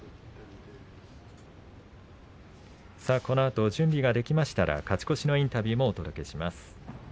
このあと準備ができましたら勝ち越しのインタビューもお届けします。